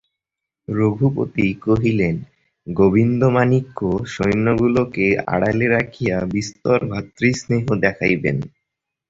রঘুপতি কহিলেন, গোবিন্দমাণিক্য সৈন্যগুলোকে আড়ালে রাখিয়া বিস্তর ভ্রাতৃস্নেহ দেখাইবেন।